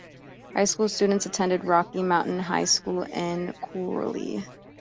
High School students attend Rocky Mountain High School in Cowley.